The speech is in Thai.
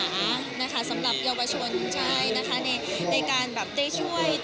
สำหรับเยาวะชนในการได้ช่วย